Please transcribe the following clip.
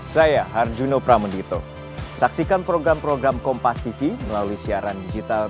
saya harjuno pramendito saksikan program program kompas tv melalui siaran digital